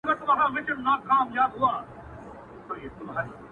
چي در معلوم شي د درمن زړګي حالونه!!